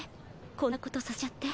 こんなことさせちゃって。